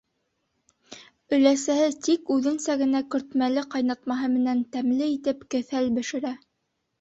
Өләсәһе тикүҙенсә генә көртмәле ҡайнатмаһы менән тәмле итеп кеҫәл бешерә.